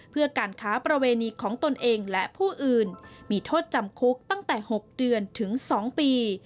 เพื่อการค้าประเวณีของตนเองและผู้อื่นมีโทษจำคุกตั้งแต่๖เดือนถึง๒ปี